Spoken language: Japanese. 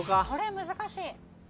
これ難しい。